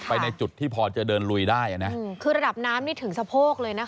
ในจุดที่พอจะเดินลุยได้อ่ะนะคือระดับน้ำนี่ถึงสะโพกเลยนะคะ